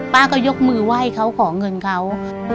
ป้าก็ยกมือไหว้เขาขอเงินเขา